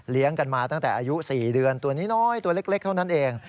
กันมาตั้งแต่อายุ๔เดือนตัวน้อยตัวเล็กเท่านั้นเอง